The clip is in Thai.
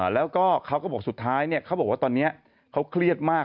แล้วก็เขาก็บอกสุดท้ายเขาบอกว่าตอนนี้เขาเครียดมาก